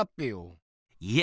いえ。